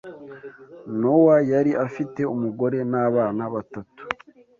NOWA yari afite umugore n’abana batatu